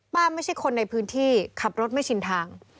ไม่ใช่คนในพื้นที่ขับรถไม่ชินทาง